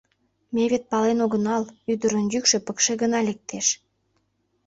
— Ме вет пален огынал, — ӱдырын йӱкшӧ пыкше гына лектеш.